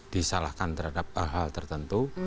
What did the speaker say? disalahkan terhadap hal hal tertentu